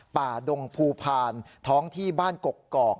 ดงภูพาลท้องที่บ้านกกอก